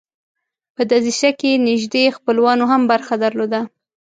په دسیسه کې نیژدې خپلوانو هم برخه درلوده.